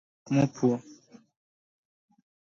Ahero chak mopwo